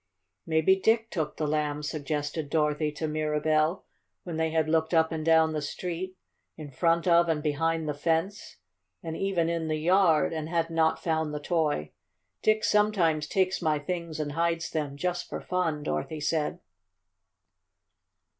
"Maybe Dick took the Lamb," suggested Dorothy to Mirabell, when they had looked up and down the street, in front of and behind the fence, and even in the yard, and had not found the toy. "Dick sometimes takes my things and hides them just for fun," Dorothy said.